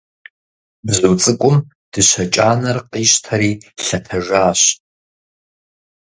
Бзу цӀыкӀум дыщэ кӀанэр къищтэри лъэтэжащ.